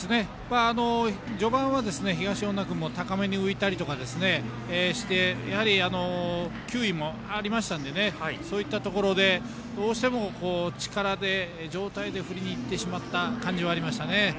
序盤は東恩納君も高めに浮いたりとかしてやはり、球威もありましたのでそういったところでどうしても、力で上体で振りにいってしまったところがありましたね。